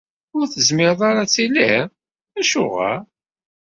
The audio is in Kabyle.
Ur tezmireḍ ara ad tiliḍ? Acuɣer?